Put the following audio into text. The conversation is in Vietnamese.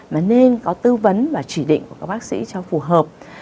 mà nên có tư vấn và chỉ định của các bác sĩ cho phù hợp